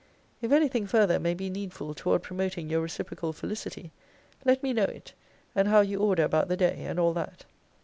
If any thing further may be needful toward promoting your reciprocal felicity, let me know it; and how you order about the day; and all that.